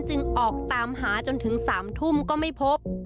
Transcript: ออกตามหาจนถึง๓ทุ่มก็ไม่พบ